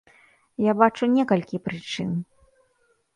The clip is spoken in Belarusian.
Я бачу некалькі прычын.